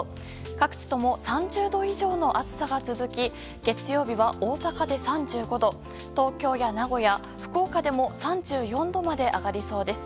各地とも３０度以上の暑さが続き月曜日は、大阪で３５度東京や名古屋、福岡でも３４度まで上がりそうです。